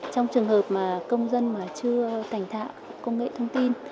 trong trường hợp mà công dân mà chưa thành thạo công nghệ thông tin